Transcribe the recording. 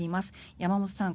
山本さん